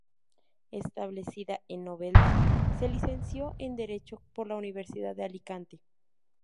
Establecida en Novelda, se licenció en derecho por la Universidad de Alicante.